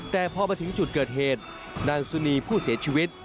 แต่พอมาถึงจุดเกิดเหตุนางสุนีผู้เสียชีวิต